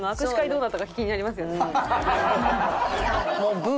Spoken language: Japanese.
どうだったか気になりますよね。